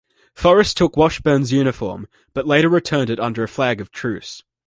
Forrest took Washburn's uniform, but later returned it under a flag of truce.